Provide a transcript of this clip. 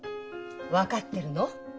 分かってるの？